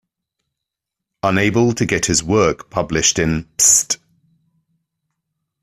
Unable to get his work published in Pssst!